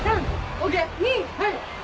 ＯＫはい！